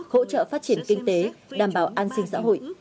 hỗ trợ phát triển kinh tế đảm bảo an sinh xã hội